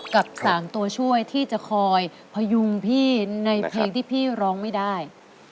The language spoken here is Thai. กับ๓ตัวช่วยที่จะคอยพยุงพี่ในเพลงที่พี่ร้องไม่ได้